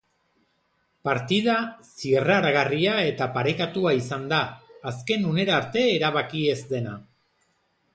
Partida zirraragarria eta parekatua izan da, azken unera arte erabaki ez dena.